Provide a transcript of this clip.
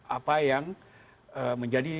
apa yang menjadi